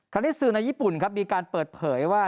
ที่สื่อในญี่ปุ่นครับมีการเปิดเผยว่า